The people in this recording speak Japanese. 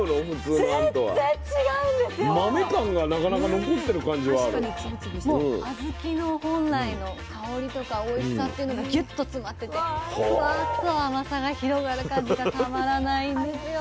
もう小豆の本来の香りとかおいしさっていうのがギュッと詰まっててフワッと甘さが広がる感じがたまらないんですよ。